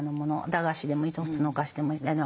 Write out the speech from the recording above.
駄菓子でもいいし普通のお菓子でもいい。